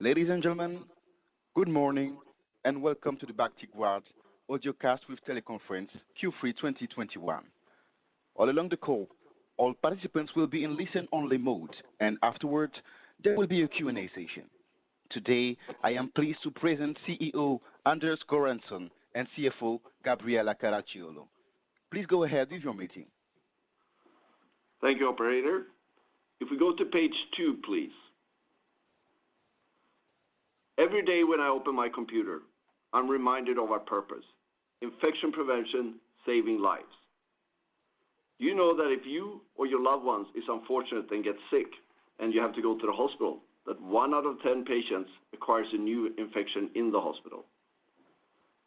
Ladies and gentlemen, good morning, and welcome to the Bactiguard audiocast with teleconference Q3 2021. All along the call, all participants will be in listen-only mode, and afterward, there will be a Q&A session. Today, I am pleased to present CEO Anders Göransson and CFO Gabriella Caracciolo. Please go ahead with your meeting. Thank you, operator. If we go to page two, please. Every day when I open my computer, I'm reminded of our purpose, infection prevention, saving lives. You know that if you or your loved ones is unfortunate and get sick, and you have to go to the hospital, that one out of ten patients acquires a new infection in the hospital.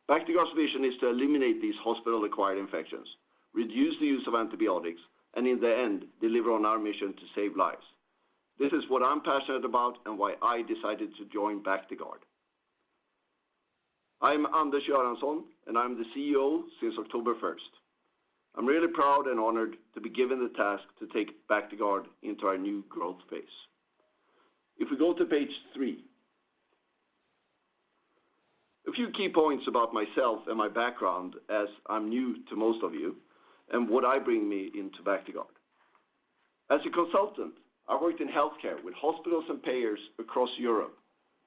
Bactiguard's vision is to eliminate these hospital-acquired infections, reduce the use of antibiotics, and in the end, deliver on our mission to save lives. This is what I'm passionate about and why I decided to join Bactiguard. I'm Anders Göransson, and I'm the CEO since October 1st. I'm really proud and honored to be given the task to take Bactiguard into our new growth phase. If we go to page three. A few key points about myself and my background as I'm new to most of you and what brings me into Bactiguard. As a consultant, I worked in healthcare with hospitals and payers across Europe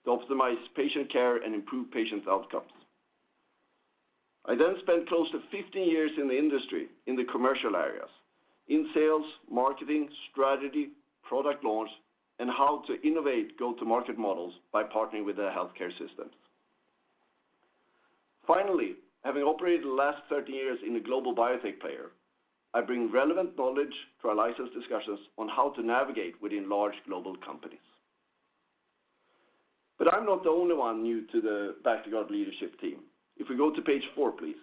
to optimize patient care and improve patients' outcomes. I then spent close to 15 years in the industry in the commercial areas, in sales, marketing, strategy, product launch, and how to innovate go-to-market models by partnering with their healthcare systems. Finally, having operated the last 30 years in a global biotech player, I bring relevant knowledge to our license discussions on how to navigate within large global companies. I'm not the only one new to the Bactiguard leadership team. If we go to page four, please.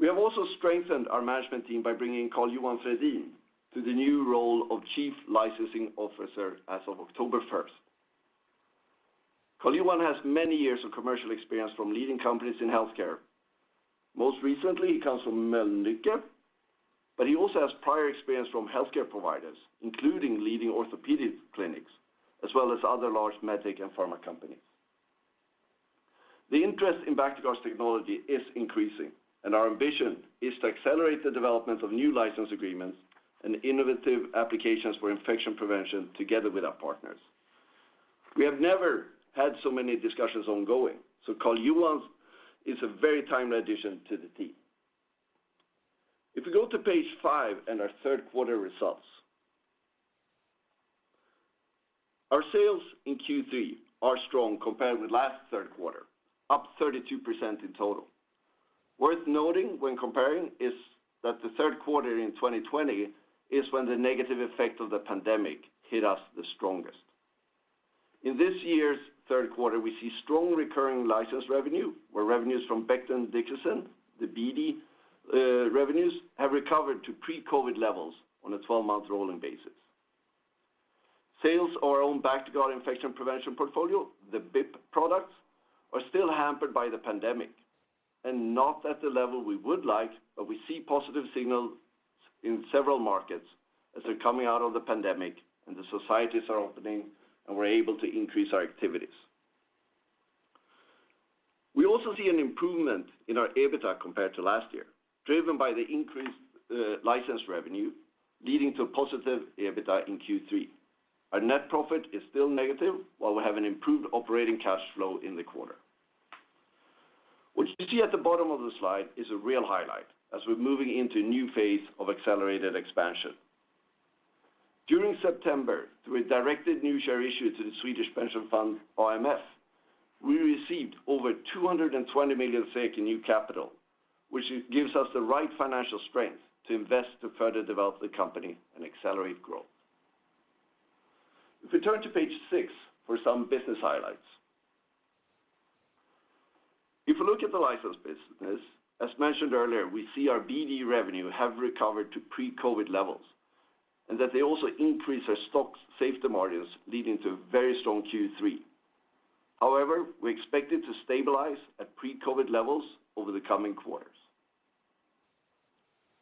We have also strengthened our management team by bringing Carl Johan Fredin to the new role of Chief Licensing Officer as of October 1st. Carl Johan has many years of commercial experience from leading companies in healthcare. Most recently, he comes from Mölnlycke, but he also has prior experience from healthcare providers, including leading orthopedic clinics, as well as other large medic and pharma companies. The interest in Bactiguard's technology is increasing, and our ambition is to accelerate the development of new license agreements and innovative applications for infection prevention together with our partners. We have never had so many discussions ongoing, so Carl Johan is a very timely addition to the team. If we go to page five and our third quarter results. Our sales in Q3 are strong compared with last year's third quarter, up 32% in total. Worth noting when comparing is that the third quarter in 2020 is when the negative effect of the pandemic hit us the strongest. In this year's third quarter, we see strong recurring license revenue, where revenues from Becton Dickinson, the BD, have recovered to pre-COVID levels on a 12-month rolling basis. Sales of our own Bactiguard Infection Prevention Portfolio, the BIP products, are still hampered by the pandemic and not at the level we would like, but we see positive signals in several markets as we're coming out of the pandemic and the societies are opening and we're able to increase our activities. We also see an improvement in our EBITDA compared to last year, driven by the increased license revenue, leading to positive EBITDA in Q3. Our net profit is still negative, while we have an improved operating cash flow in the quarter. What you see at the bottom of the slide is a real highlight as we're moving into a new phase of accelerated expansion. During September, through a directed new share issue to the Swedish pension fund, AMF, we received over 220 million in new capital, which gives us the right financial strength to invest to further develop the company and accelerate growth. If we turn to page six for some business highlights. If we look at the license business, as mentioned earlier, we see our BD revenue have recovered to pre-COVID levels and that they also increase our stock safety margins, leading to a very strong Q3. However, we expect it to stabilize at pre-COVID levels over the coming quarters.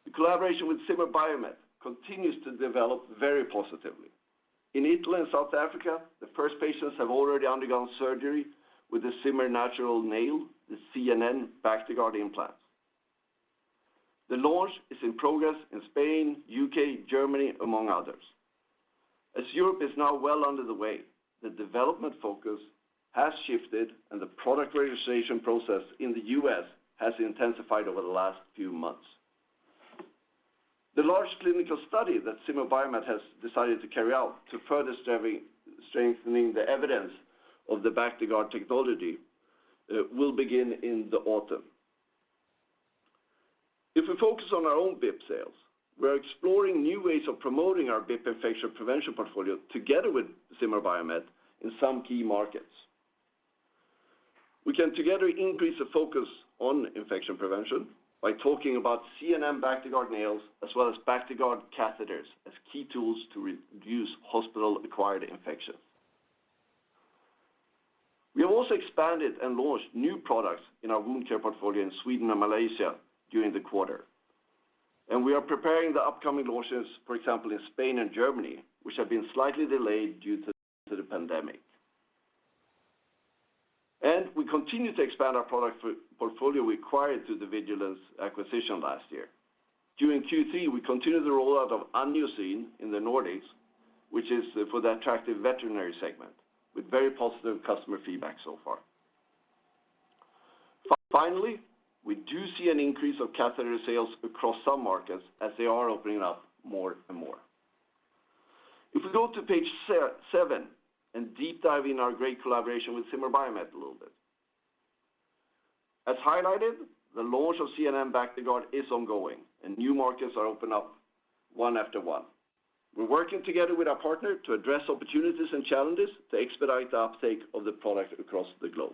The collaboration with Zimmer Biomet continues to develop very positively. In Italy and South Africa, the first patients have already undergone surgery with the Zimmer Natural Nail, the ZNN Bactiguard implant. The launch is in progress in Spain, U.K., Germany, among others. As Europe is now well underway, the development focus has shifted, and the product registration process in the U.S. has intensified over the last few months. The large clinical study that Zimmer Biomet has decided to carry out to further strengthening the evidence of the Bactiguard technology will begin in the autumn. If we focus on our own BIP sales, we are exploring new ways of promoting our BIP infection prevention portfolio together with Zimmer Biomet in some key markets. We can together increase the focus on infection prevention by talking about ZNN Bactiguard nails as well as Bactiguard catheters as key tools to reduce hospital-acquired infections. We have also expanded and launched new products in our wound care portfolio in Sweden and Malaysia during the quarter. We are preparing the upcoming launches, for example, in Spain and Germany, which have been slightly delayed due to the pandemic. We continue to expand our product portfolio we acquired through the Vigilenz acquisition last year. During Q3, we continued the rollout of Aniocyn in the Nordics, which is for the attractive veterinary segment, with very positive customer feedback so far. Finally, we do see an increase of catheter sales across some markets as they are opening up more and more. If we go to page seven and deep dive in our great collaboration with Zimmer Biomet a little bit. As highlighted, the launch of ZNN Bactiguard is ongoing, and new markets are opened up one after one. We're working together with our partner to address opportunities and challenges to expedite the uptake of the product across the globe.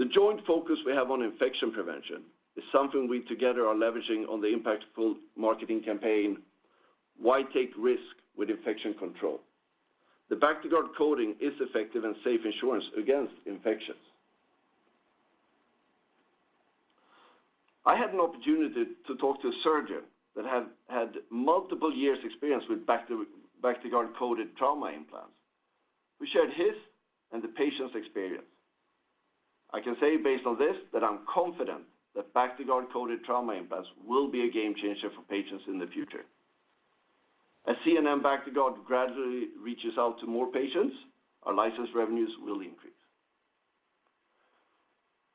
The joint focus we have on infection prevention is something we together are leveraging on the impactful marketing campaign, "Why take risk with infection control?" The Bactiguard coating is effective and safe insurance against infections. I had an opportunity to talk to a surgeon that had multiple years experience with Bactiguard-coated trauma implants, who shared his and the patient's experience. I can say based on this, that I'm confident that Bactiguard-coated trauma implants will be a game changer for patients in the future. As ZNN Bactiguard gradually reaches out to more patients, our license revenues will increase.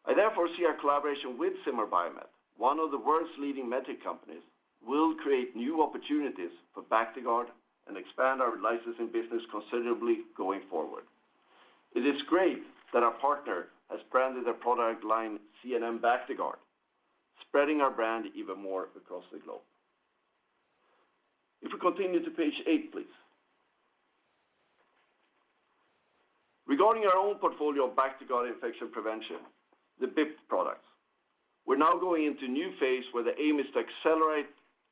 I therefore see our collaboration with Zimmer Biomet, one of the world's leading medtech companies, will create new opportunities for Bactiguard and expand our licensing business considerably going forward. It is great that our partner has branded their product line ZNN Bactiguard, spreading our brand even more across the globe. If we continue to page eight, please. Regarding our own portfolio of Bactiguard Infection Prevention, the BIP products, we're now going into a new phase where the aim is to accelerate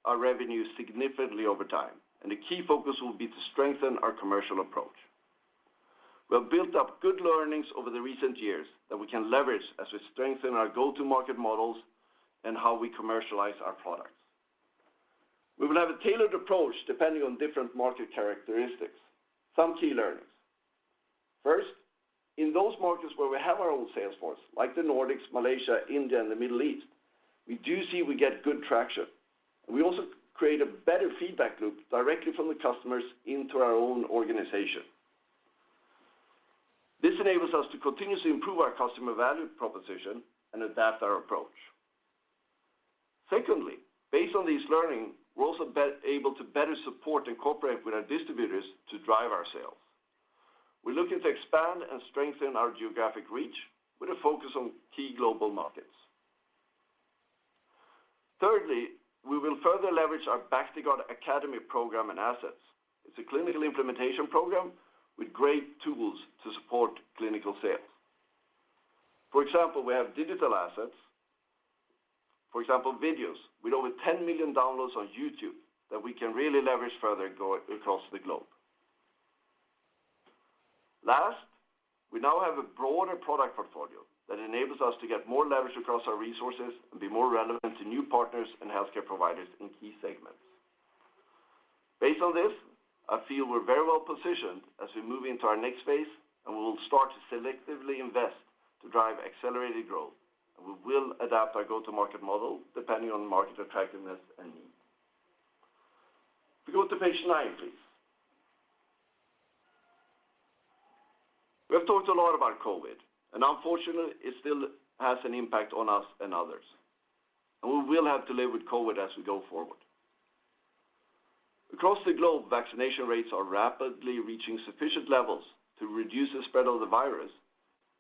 our revenue significantly over time, and the key focus will be to strengthen our commercial approach. We have built up good learnings over the recent years that we can leverage as we strengthen our go-to-market models and how we commercialize our products. We will have a tailored approach depending on different market characteristics. Some key learnings. First, in those markets where we have our own sales force, like the Nordics, Malaysia, India, and the Middle East, we do see we get good traction. We also create a better feedback loop directly from the customers into our own organization. This enables us to continuously improve our customer value proposition and adapt our approach. Secondly, based on these learnings, we're also be able to better support and cooperate with our distributors to drive our sales. We're looking to expand and strengthen our geographic reach with a focus on key global markets. Thirdly, we will further leverage our Bactiguard Academy program and assets. It's a clinical implementation program with great tools to support clinical sales. For example, we have digital assets, for example, videos with over 10 million downloads on YouTube that we can really leverage further across the globe. Last, we now have a broader product portfolio that enables us to get more leverage across our resources and be more relevant to new partners and healthcare providers in key segments. Based on this, I feel we're very well positioned as we move into our next phase, and we will start to selectively invest to drive accelerated growth. We will adapt our go-to-market model depending on market attractiveness and need. If we go to page nine, please. We have talked a lot about COVID, and unfortunately, it still has an impact on us and others. We will have to live with COVID as we go forward. Across the globe, vaccination rates are rapidly reaching sufficient levels to reduce the spread of the virus,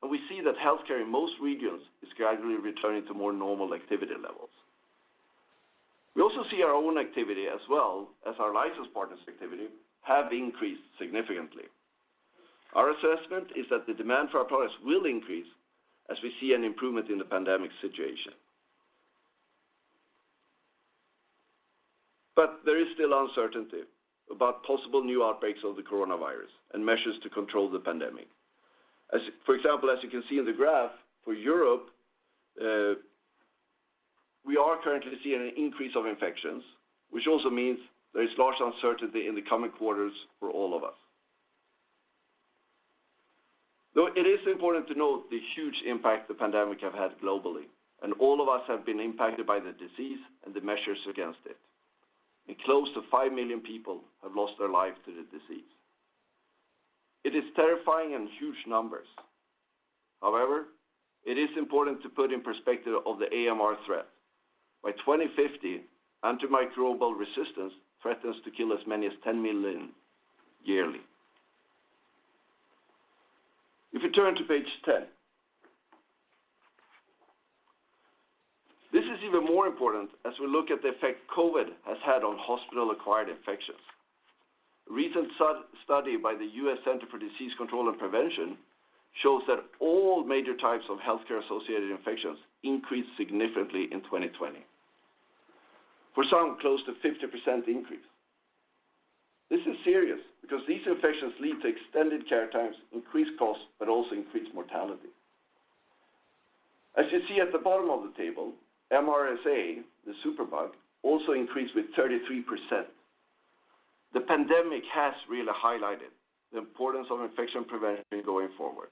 and we see that healthcare in most regions is gradually returning to more normal activity levels. We also see our own activity as well as our licensed partners' activity have increased significantly. Our assessment is that the demand for our products will increase as we see an improvement in the pandemic situation. There is still uncertainty about possible new outbreaks of the coronavirus and measures to control the pandemic. For example, as you can see in the graph for Europe, we are currently seeing an increase of infections, which also means there is large uncertainty in the coming quarters for all of us. Though it is important to note the huge impact the pandemic have had globally, and all of us have been impacted by the disease and the measures against it, and close to five million people have lost their lives to the disease. It is terrifying and huge numbers. However, it is important to put in perspective of the AMR threat. By 2050, antimicrobial resistance threatens to kill as many as 10 million yearly. If you turn to page 10. This is even more important as we look at the effect COVID has had on hospital-acquired infections. A recent study by the US Centers for Disease Control and Prevention shows that all major types of healthcare-associated infections increased significantly in 2020. For some, close to 50% increase. This is serious because these infections lead to extended care times, increased costs, but also increased mortality. As you see at the bottom of the table, MRSA, the superbug, also increased with 33%. The pandemic has really highlighted the importance of infection prevention going forward.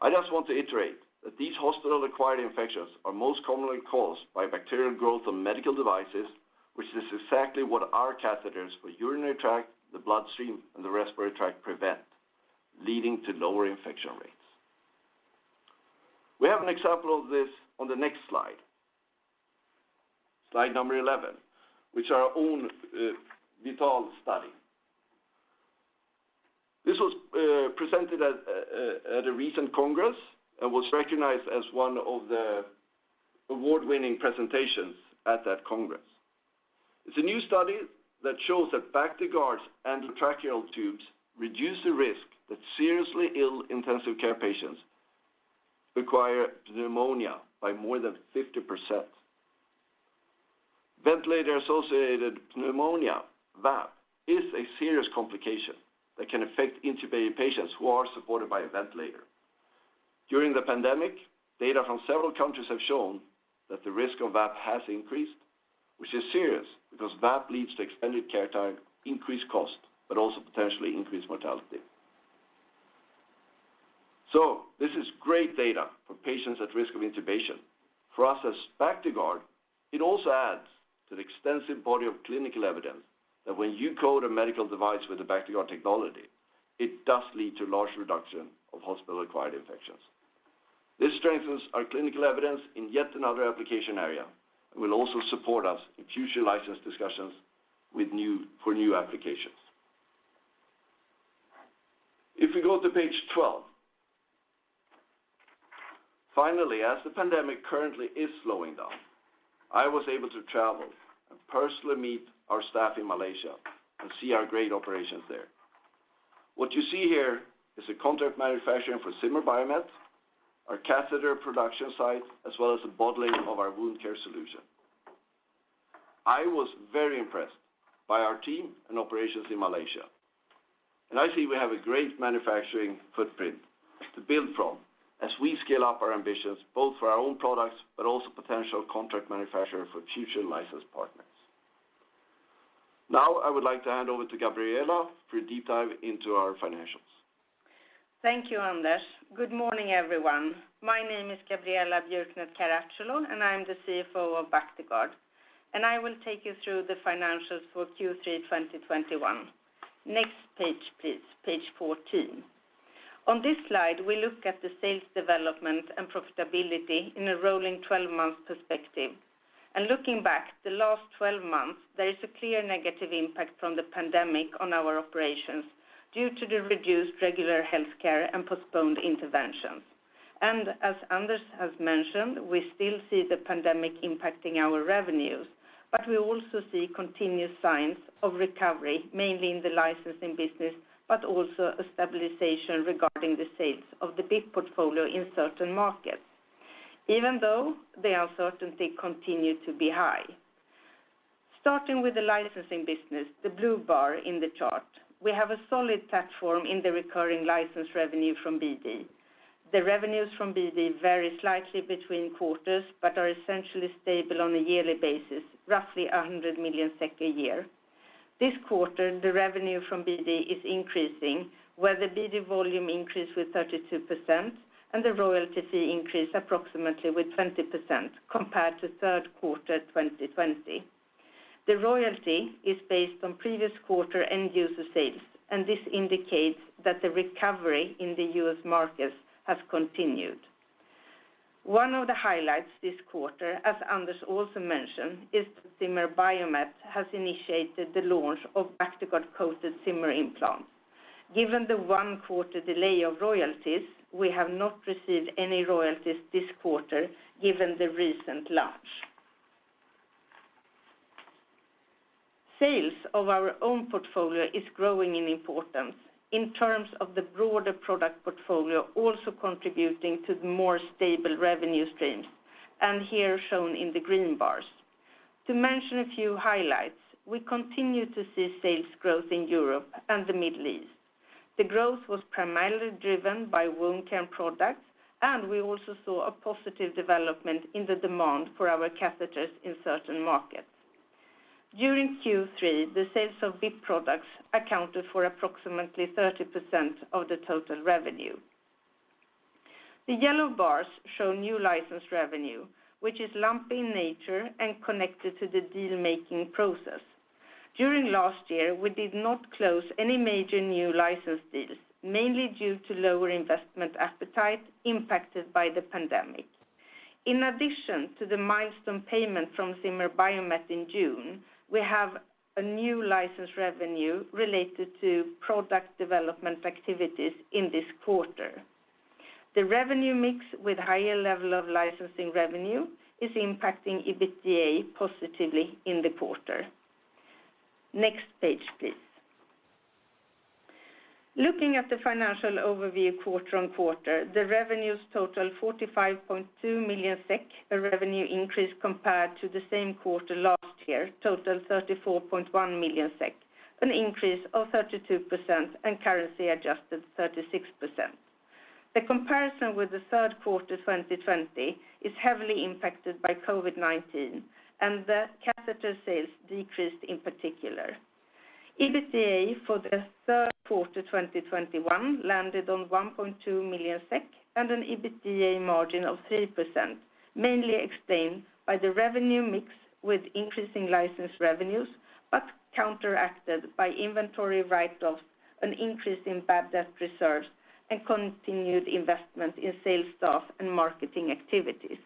I just want to iterate that these hospital-acquired infections are most commonly caused by bacterial growth on medical devices, which is exactly what our catheters for urinary tract, the bloodstream, and the respiratory tract prevent, leading to lower infection rates. We have an example of this on the next slide number 11, which are our own VITAL study. This was presented at a recent congress and was recognized as one of the award-winning presentations at that congress. It's a new study that shows that Bactiguard and tracheal tubes reduce the risk that seriously ill intensive care patients acquire pneumonia by more than 50%. Ventilator-associated pneumonia, VAP, is a serious complication that can affect intubated patients who are supported by a ventilator. During the pandemic, data from several countries have shown that the risk of VAP has increased, which is serious because VAP leads to extended care time, increased cost, but also potentially increased mortality. This is great data for patients at risk of intubation. For us as Bactiguard, it also adds to the extensive body of clinical evidence that when you coat a medical device with a Bactiguard technology, it does lead to large reduction of hospital-acquired infections. This strengthens our clinical evidence in yet another application area and will also support us in future license discussions for new applications. If we go to page 12. Finally, as the pandemic currently is slowing down, I was able to travel and personally meet our staff in Malaysia and see our great operations there. What you see here is a contract manufacturing for Zimmer Biomet, our catheter production site, as well as the bottling of our wound care solution. I was very impressed by our team and operations in Malaysia, and I see we have a great manufacturing footprint to build from as we scale up our ambitions, both for our own products, but also potential contract manufacturer for future license partners. Now, I would like to hand over to Gabriella for a deep dive into our financials. Thank you, Anders. Good morning, everyone. My name is Gabriella Björknert Caracciolo, and I'm the CFO of Bactiguard, and I will take you through the financials for Q3 2021. Next page, please. Page 14. On this slide, we look at the sales development and profitability in a rolling 12-month perspective. Looking back the last twelve months, there is a clear negative impact from the pandemic on our operations due to the reduced regular healthcare and postponed interventions. As Anders has mentioned, we still see the pandemic impacting our revenues, but we also see continued signs of recovery, mainly in the licensing business, but also a stabilization regarding the sales of the BIP portfolio in certain markets, even though the uncertainty continue to be high. Starting with the licensing business, the blue bar in the chart, we have a solid platform in the recurring license revenue from BD. The revenues from BD vary slightly between quarters but are essentially stable on a yearly basis, roughly 100 million SEK a year. This quarter, the revenue from BD is increasing, where the BD volume increased with 32% and the royalty fee increased approximately with 20% compared to third quarter 2020. The royalty is based on previous quarter end user sales, and this indicates that the recovery in the U.S. markets has continued. One of the highlights this quarter, as Anders also mentioned, is that Zimmer Biomet has initiated the launch of Bactiguard-coated Zimmer implants. Given the one-quarter delay of royalties, we have not received any royalties this quarter given the recent launch. Sales of our own portfolio is growing in importance in terms of the broader product portfolio also contributing to the more stable revenue streams, and here shown in the green bars. To mention a few highlights, we continue to see sales growth in Europe and the Middle East. The growth was primarily driven by wound care products, and we also saw a positive development in the demand for our catheters in certain markets. During Q3, the sales of BIP products accounted for approximately 30% of the total revenue. The yellow bars show new license revenue, which is lumpy in nature and connected to the deal-making process. During last year, we did not close any major new license deals, mainly due to lower investment appetite impacted by the pandemic. In addition to the milestone payment from Zimmer Biomet in June, we have a new license revenue related to product development activities in this quarter. The revenue mix with higher level of licensing revenue is impacting EBITDA positively in the quarter. Next page, please. Looking at the financial overview quarter-on-quarter, the revenues total 45.2 million SEK. A revenue increase compared to the same quarter last year, total 34.1 million SEK, an increase of 32% and currency adjusted 36%. The comparison with the third quarter 2020 is heavily impacted by COVID-19, and the catheter sales decreased in particular. EBITDA for the third quarter 2021 landed on 1.2 million SEK and an EBITDA margin of 3%, mainly explained by the revenue mix with increasing license revenues, but counteracted by inventory write-offs, an increase in bad debt reserves, and continued investment in sales staff and marketing activities.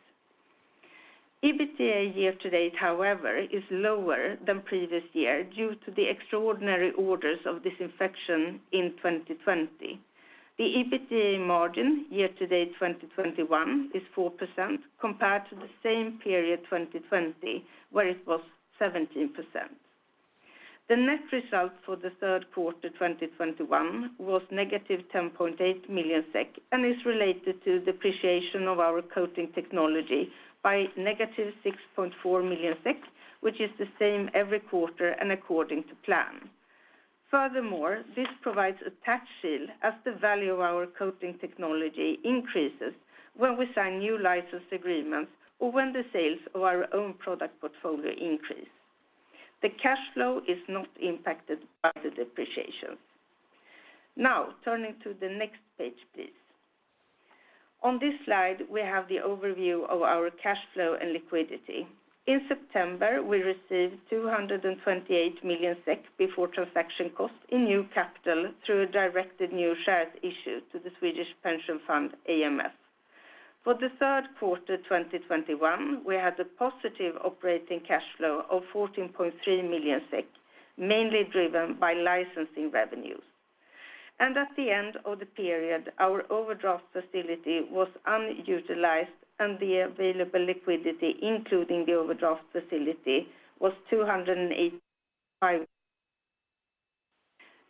EBITDA year-to-date, however, is lower than previous year due to the extraordinary orders of disinfection in 2020. The EBITDA margin year-to-date 2021 is 4% compared to the same period 2020, where it was 17%. The net result for the third quarter 2021 was -10.8 million SEK and is related to the depreciation of our coating technology by -6.4 million SEK, which is the same every quarter and according to plan. Furthermore, this provides a tax shield as the value of our coating technology increases when we sign new license agreements or when the sales of our own product portfolio increase. The cash flow is not impacted by the depreciation. Now turning to the next page, please. On this slide, we have the overview of our cash flow and liquidity. In September, we received 228 million SEK before transaction costs in new capital through a directed new shares issue to the Swedish pension fund, AMF. For the third quarter 2021, we had a positive operating cash flow of 14.3 million SEK, mainly driven by licensing revenues. At the end of the period, our overdraft facility was unutilized and the available liquidity, including the overdraft facility, was 285 million.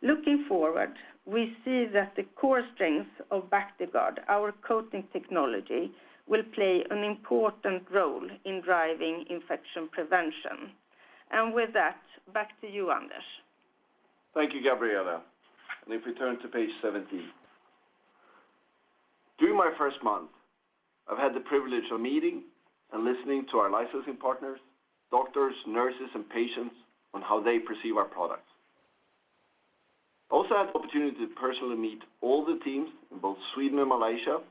Looking forward, we see that the core strength of Bactiguard, our coating technology, will play an important role in driving infection prevention. With that, back to you, Anders. Thank you, Gabriella. If we turn to page 17. During my first month, I've had the privilege of meeting and listening to our licensing partners, doctors, nurses, and patients on how they perceive our products. I also had the opportunity to personally meet all the teams in both Sweden and Malaysia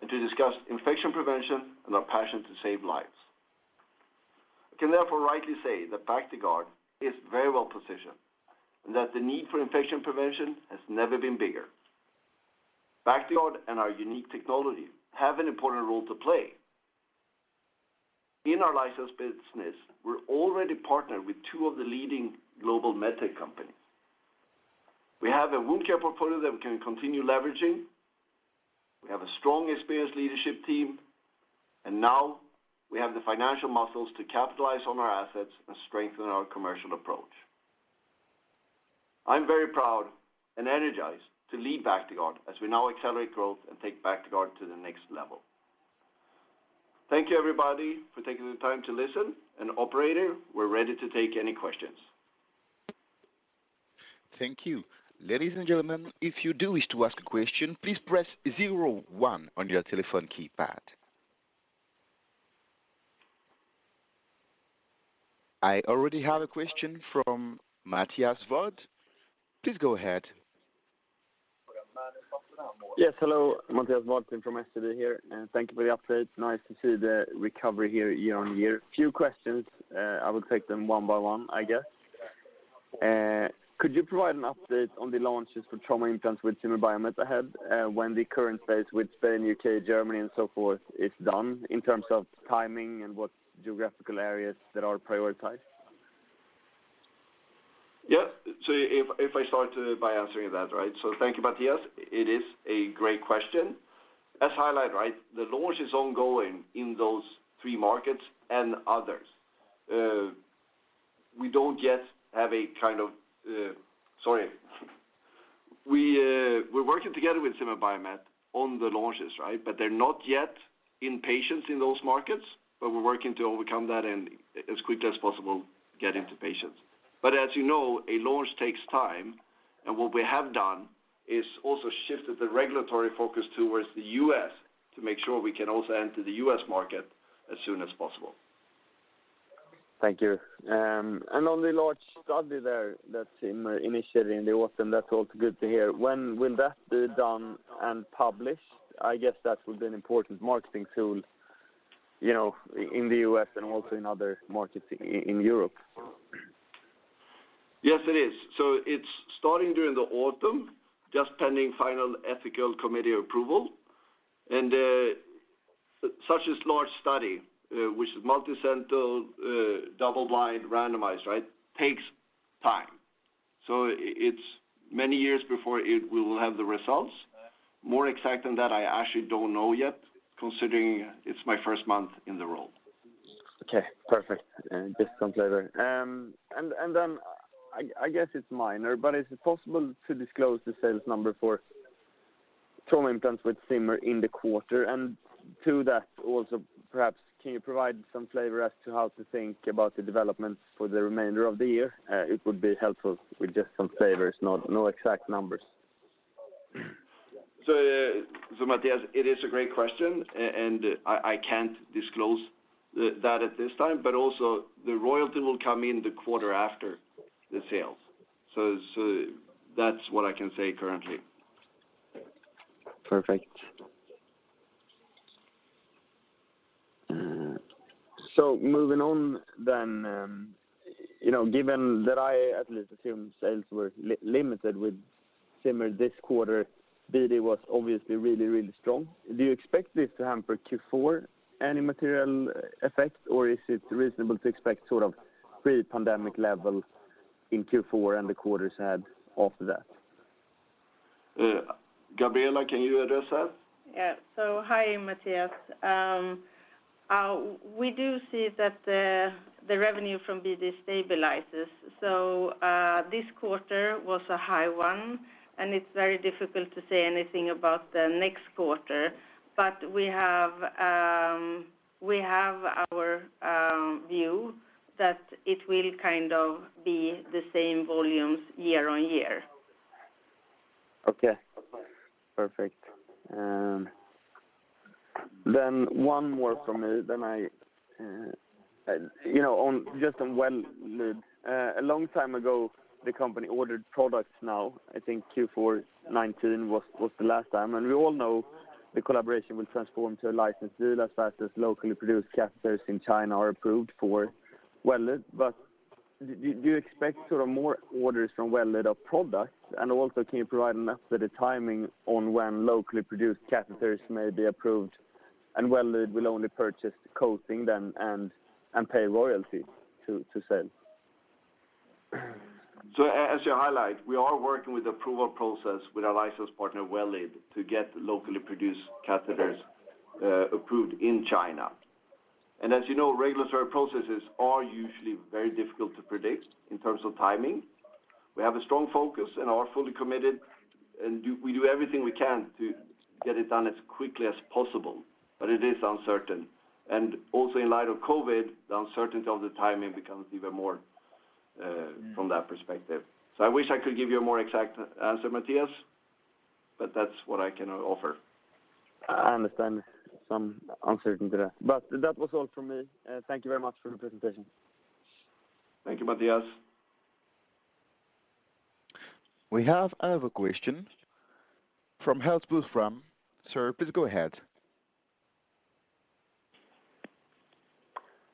and to discuss infection prevention and our passion to save lives. I can therefore rightly say that Bactiguard is very well positioned, and that the need for infection prevention has never been bigger. Bactiguard and our unique technology have an important role to play. In our license business, we're already partnered with two of the leading global med tech companies. We have a wound care portfolio that we can continue leveraging. We have a strong, experienced leadership team, and now we have the financial muscles to capitalize on our assets and strengthen our commercial approach. I'm very proud and energized to lead Bactiguard as we now accelerate growth and take Bactiguard to the next level. Thank you, everybody, for taking the time to listen. Operator, we're ready to take any questions. Thank you. Ladies and gentlemen, if you do wish to ask a question, please press zero one on your telephone keypad. I already have a question from Matthias Vadsten. Please go ahead. Yes, hello. Matthias Vadsten from SEB here. Thank you for the update. Nice to see the recovery here year-on-year. A few questions. I will take them one by one, I guess. Could you provide an update on the launches for trauma implants with Zimmer Biomet ahead, when the current phase with Spain, U.K., Germany, and so forth is done in terms of timing and what geographical areas that are prioritized? Yeah. If I start by answering that, right. Thank you, Matthias. It is a great question. As highlighted, right, the launch is ongoing in those three markets and others. Sorry. We're working together with Zimmer Biomet on the launches, right? They're not yet in patients in those markets, but we're working to overcome that and as quickly as possible get into patients. As you know, a launch takes time. What we have done is also shifted the regulatory focus towards the U.S. to make sure we can also enter the U.S. market as soon as possible. Thank you. On the large study there that's initiated in the autumn, that's also good to hear. When will that be done and published? I guess that would be an important marketing tool, you know, in the U.S. and also in other markets in Europe. Yes, it is. It's starting during the autumn, just pending final ethical committee approval. Such a large study, which is multicenter, double-blind randomized, right, takes time. It's many years before we will have the results. More exact than that, I actually don't know yet, considering it's my first month in the role. Okay, perfect. Just some flavor. I guess it's minor, but is it possible to disclose the sales number for trauma implants with Zimmer in the quarter? To that also perhaps can you provide some flavor as to how to think about the development for the remainder of the year? It would be helpful with just some flavors, no exact numbers. Matthias, it is a great question, and I can't disclose that at this time, but also the royalty will come in the quarter after the sale. That's what I can say currently. Perfect. Moving on, you know, given that I at least assume sales were limited with Zimmer this quarter, BD was obviously really, really strong. Do you expect this to hamper Q4 any material effect, or is it reasonable to expect sort of pre-pandemic level in Q4 and the quarters ahead after that? Gabriella, can you address that? Hi, Matthias. We do see that the revenue from BD stabilizes. This quarter was a high one, and it's very difficult to say anything about the next quarter. We have our view that it will kind of be the same volumes year-over-year. Okay, perfect. One more from me. You know, on just on Well Lead. A long time ago, the company ordered products now. I think Q4 2019 was the last time. We all know the collaboration will transform to a license deal as fast as locally produced catheters in China are approved for Well Lead. Do you expect sort of more orders from Well Lead of products? Also can you provide an update of timing on when locally produced catheters may be approved and Well Lead will only purchase the coating then and pay royalty to [Bactiguard]? You highlight, we are working with approval process with our license partner, Well Lead, to get locally produced catheters approved in China. As you know, regulatory processes are usually very difficult to predict in terms of timing. We have a strong focus and are fully committed and we do everything we can to get it done as quickly as possible, but it is uncertain. Also in light of COVID, the uncertainty of the timing becomes even more from that perspective. I wish I could give you a more exact answer, Matthias, but that's what I can offer. I understand some uncertainty there. That was all from me. Thank you very much for the presentation. Thank you, Matthias. We have another question from Hans Boström. Sir, please go ahead.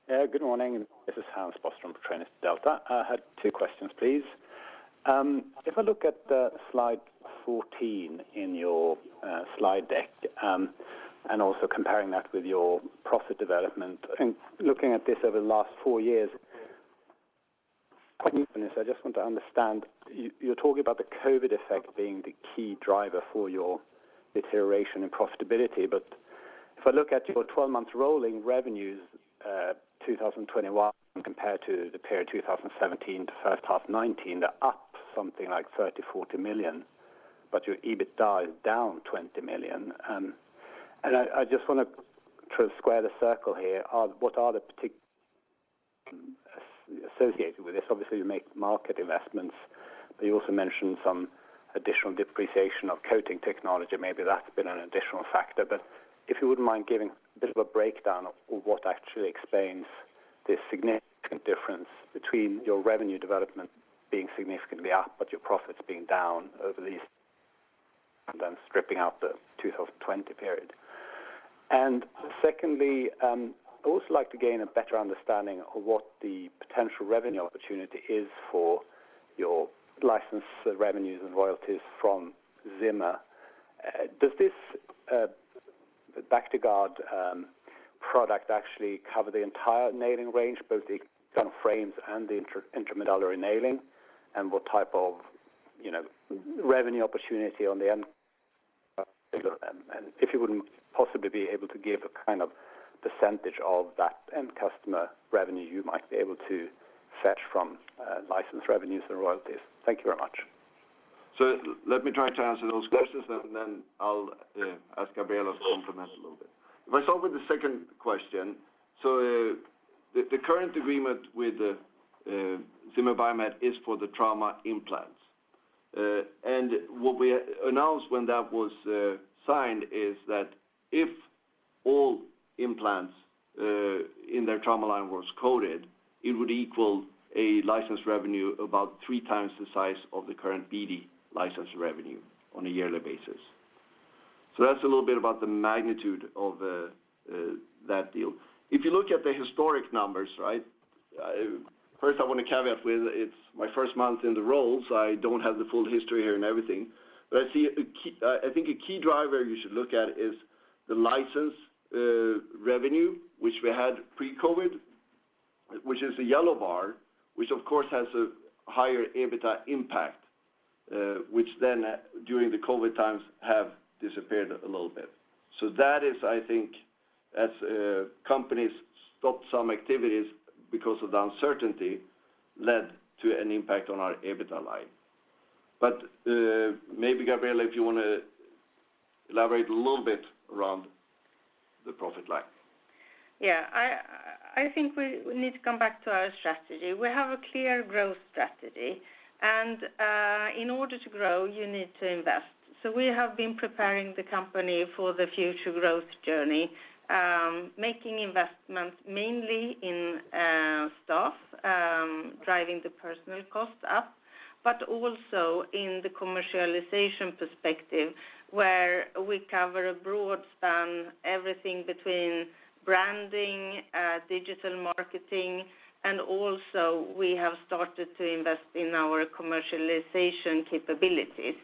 Yeah, good morning. This is Hans Boström from Trinity Delta. I had two questions, please. If I look at the slide 14 in your slide deck, and also comparing that with your profit development and looking at this over the last four years, I just want to understand, you're talking about the COVID effect being the key driver for your deterioration and profitability. If I look at your 12-month rolling revenues, 2021 compared to the period 2017 to first half 2019, they're up something like 30 million-40 million, but your EBITDA's down 20 million. And I just wanna try to square the circle here. What are the particulars associated with this? Obviously, you make market investments, but you also mentioned some additional depreciation of coating technology. Maybe that's been an additional factor. If you wouldn't mind giving a bit of a breakdown of what actually explains this significant difference between your revenue development being significantly up, but your profits being down over these, and then stripping out the 2020 period. Secondly, I'd also like to gain a better understanding of what the potential revenue opportunity is for your license revenues and royalties from Zimmer. Does this Bactiguard product actually cover the entire nailing range, both the kind of frames and the intramedullary nailing? And what type of, you know, revenue opportunity on the end? And if you wouldn't possibly be able to give a kind of percentage of that end customer revenue you might be able to fetch from license revenues and royalties. Thank you very much. Let me try to answer those questions, and then I'll ask Gabriella to complement a little bit. If I start with the second question. The current agreement with Zimmer Biomet is for the trauma implants. And what we announced when that was signed is that if all implants in their trauma line was coated, it would equal a license revenue about three times the size of the current BD license revenue on a yearly basis. That's a little bit about the magnitude of that deal. If you look at the historic numbers, first I want to caveat with it's my first month in the role, so I don't have the full history here and everything. I think a key driver you should look at is the license revenue, which we had pre-COVID, which is a yellow bar, which of course has a higher EBITDA impact. Which then during the COVID times have disappeared a little bit. That is, I think, as companies stopped some activities because of the uncertainty led to an impact on our EBITDA line. Maybe Gabriella, if you wanna elaborate a little bit around the profit line. Yeah. I think we need to come back to our strategy. We have a clear growth strategy, and in order to grow, you need to invest. We have been preparing the company for the future growth journey, making investments mainly in staff, driving the personnel costs up, but also in the commercialization perspective, where we cover a broad span, everything between branding, digital marketing, and also we have started to invest in our commercialization capabilities.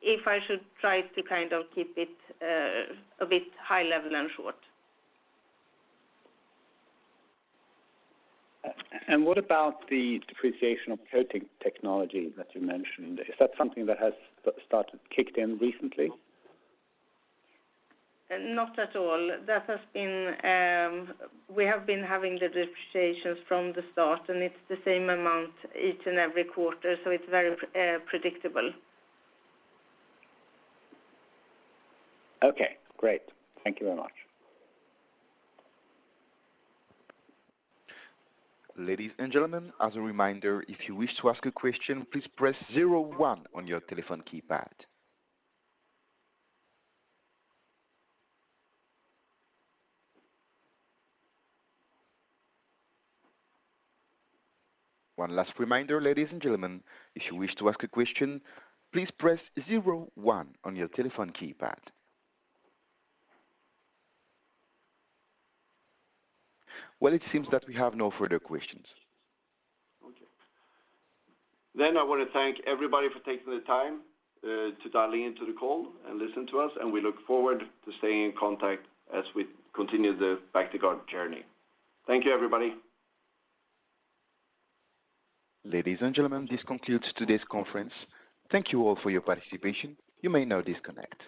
If I should try to kind of keep it a bit high level and short. What about the depreciation of coating technology that you mentioned? Is that something that has started to kick in recently? Not at all. That has been. We have been having the depreciations from the start, and it's the same amount each and every quarter, so it's very predictable. Okay, great. Thank you very much. Ladies and gentlemen, as a reminder, if you wish to ask a question, please press zero one on your telephone keypad. One last reminder, ladies and gentlemen, if you wish to ask a question, please press zero one on your telephone keypad. Well, it seems that we have no further questions. Okay. I wanna thank everybody for taking the time to dial in to the call and listen to us, and we look forward to staying in contact as we continue the Bactiguard journey. Thank you, everybody. Ladies and gentlemen, this concludes today's conference. Thank you all for your participation. You may now disconnect.